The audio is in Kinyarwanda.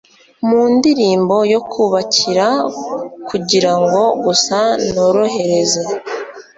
mu ndirimbo yo kubakira kugirango gusa norohereze